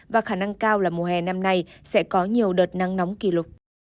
và khả năng cao là mùa hè năm nay sẽ có nhiều đợt nắng nóng kỷ lục